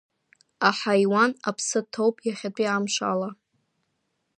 Аҳаиуан аԥсы ҭоуп иахьатәи амш ала.